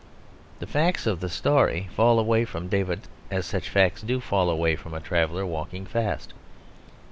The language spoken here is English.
The facts of the story fall away from David as such facts do fall away from a traveller walking fast.